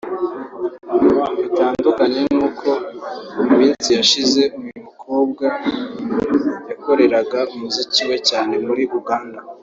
Bitandukanye n’uko mu minsi yashize uyu mukobwa yakoreraga umuziki we cyane muri Uganda